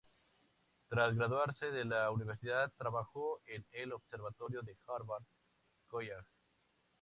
Tras graduarse de la universidad trabajó en el Observatorio del Harvard College.